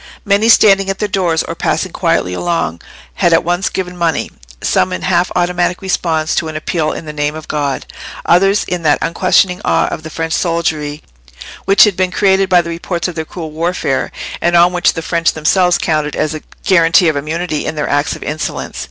Many standing at their doors or passing quietly along had at once given money—some in half automatic response to an appeal in the name of God, others in that unquestioning awe of the French soldiery which had been created by the reports of their cruel warfare, and on which the French themselves counted as a guarantee of immunity in their acts of insolence.